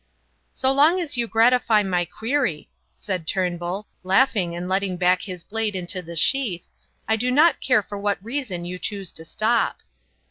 "So long as you gratify my query," said Turnbull, laughing and letting back his blade into the sheath, "I do not care for what reason you choose to stop."